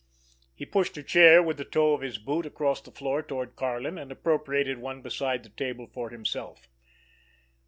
He pushed a chair with the toe of his boot across the floor toward Karlin, and appropriated one beside the table for himself.